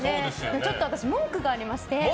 ちょっと私、文句がありまして。